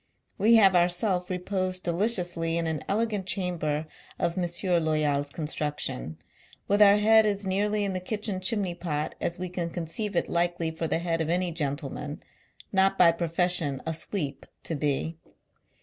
We have ourself i eposed j deliciously, in an elegant chamber of M. Loyal's construction, with our head as nearly in the kitchen chimney pot as we can conceive it likely for the head of any gentleman, not by profession a Sweep, to be.